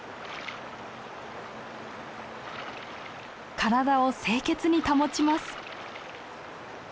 体を清潔に保ちます。